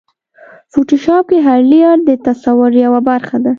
فوټوشاپ کې هر لېیر د تصور یوه برخه ده.